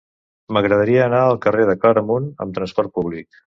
M'agradaria anar al carrer de Claramunt amb trasport públic.